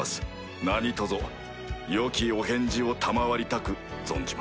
何とぞよきお返事を賜りたく存じます。